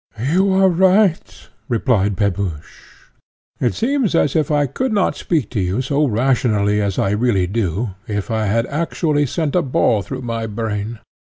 "You are right," replied Pepusch, "it seems as if I could not speak to you so rationally as I really do, if I had actually sent a ball through my brain.